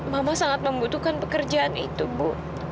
mama sangat membutuhkan pekerjaan itu bu